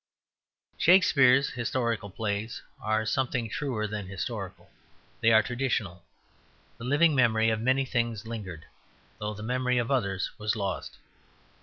Shakespeare's historical plays are something truer than historical; they are traditional; the living memory of many things lingered, though the memory of others was lost.